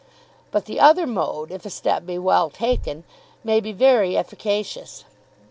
But the other mode, if a step be well taken, may be very efficacious.